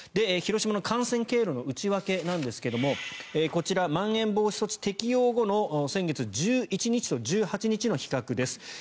広島の感染経路の内訳なんですがこちら、まん延防止措置適用後の先月１１日と１８日の比較です。